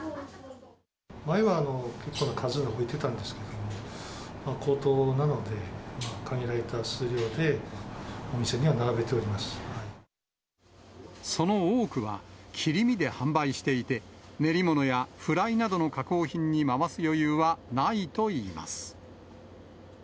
前は結構な数は増えてたんですけれども、高騰なので、限られた数量で、その多くは、切り身で販売していて、練り物やフライなどの加工品に回す余裕はないといいます。